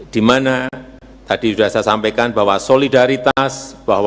di mana tadi sudah saya sampaikan bahwa solidaritas